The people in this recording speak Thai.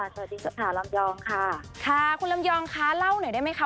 สวัสดีค่ะลำยองค่ะค่ะคุณลำยองคะเล่าหน่อยได้ไหมคะ